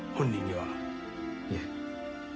いえ。